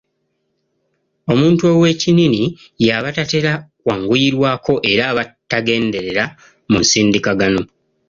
Omuntu ow'ekinnini y'aba tatera kwanguyirwako era aba tagendera mu nsindikagano.